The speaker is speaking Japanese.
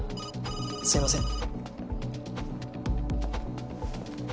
すいません